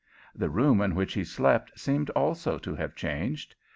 The room in which he slept seemed also to have changed.